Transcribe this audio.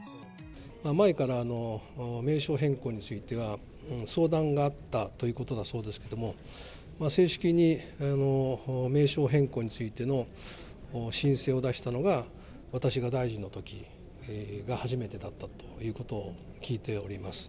前から名称変更については、相談があったということだそうですけども、正式に名称変更についての申請を出したのが、私が大臣のときが初めてだったということを聞いております。